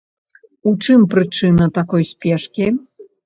У чым прычына такой спешкі?